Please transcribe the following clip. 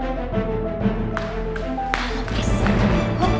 ada yang sedalam gitti vatican